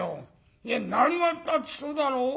いや何がったってそうだろ？